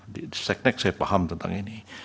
di seknek saya paham tentang ini